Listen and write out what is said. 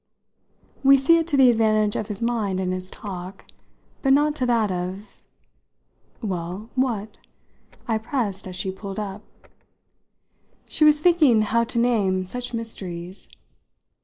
"We see it to the advantage of his mind and his talk, but not to that of " "Well, what?" I pressed as she pulled up. She was thinking how to name such mysteries.